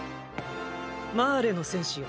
マーレの戦士よ。